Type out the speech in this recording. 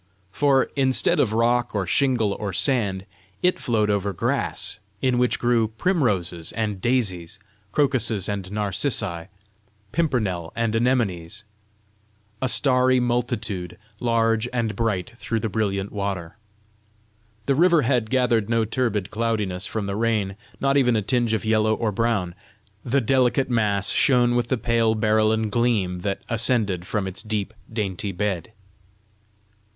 For, instead of rock or shingle or sand, it flowed over grass in which grew primroses and daisies, crocuses and narcissi, pimpernels and anemones, a starry multitude, large and bright through the brilliant water. The river had gathered no turbid cloudiness from the rain, not even a tinge of yellow or brown; the delicate mass shone with the pale berylline gleam that ascended from its deep, dainty bed.